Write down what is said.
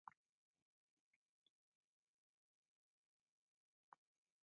Mwanedu wafuma itakoni ukaghenda kwa aba